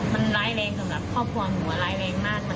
มันร้ายแรงสำหรับครอบครัวหนูร้ายแรงมาก